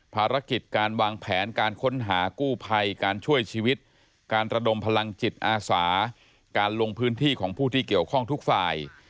ภารกิจการวางแผนการค้นหากู้ภัยการช่วยชีวิตการระดมพลังจิตอาสาการลงพื้นที่ของผู้ที่เกี่ยวข้องทุกฝ่าย